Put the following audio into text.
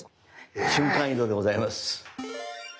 瞬間移動でございます。